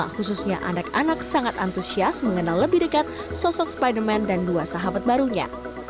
khususnya anak anak sangat antusias mengenal lebih dekat sosok spiderman dan dua sahabat barunya